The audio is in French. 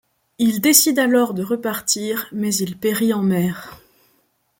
Il décide alors de repartir mais il périt en mer.